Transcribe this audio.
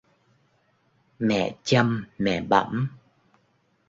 Mẹ chăm mẹ bẵm